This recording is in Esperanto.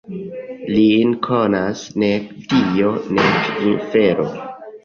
Lin konas nek Dio nek infero.